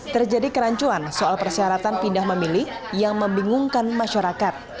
terjadi kerancuan soal persyaratan pindah memilih yang membingungkan masyarakat